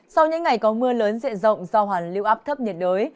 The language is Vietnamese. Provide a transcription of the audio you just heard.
sau những ngày có mưa lớn diện rộng do hoàn lưu áp thấp nhiệt đới